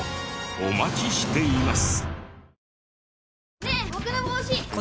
お待ちしています。